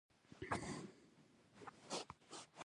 ريښه د اوبو جذبولو لپاره ژورې خاورې ته رسېږي